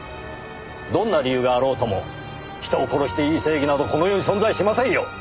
どんな理由があろうとも人を殺していい正義などこの世に存在しませんよ！